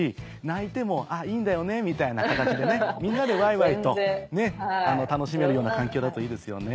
泣いても「あぁいいんだよね」みたいな形でみんなでワイワイと楽しめるような環境だといいですよね。